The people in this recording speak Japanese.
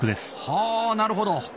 はなるほど！